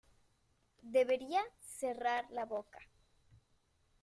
Debería cerrar la boca.